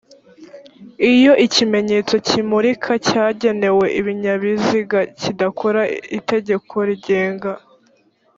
iyo ikimenyetso kimurika cyagenewe ibinyabiziga kidakora itegeko rigenga